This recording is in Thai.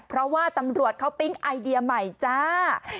เพราะว่าตำรวจเขาปิ๊งไอเดียใหม่จ้า